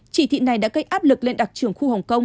chỉ thị này đã gây áp lực lên đặc trưởng khu hồng kông